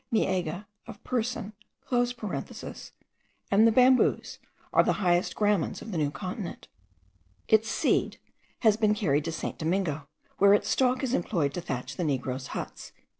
miegia of Persoon,) and the bamboos, are the highest gramens of the New Continent. Its seed has been carried to St. Domingo, where its stalk is employed to thatch the negroes' huts.)